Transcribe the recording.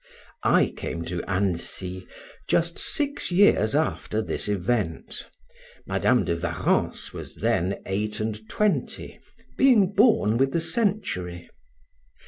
I came to Annecy just six years after this event; Madam de Warrens was then eight and twenty, being born with the century.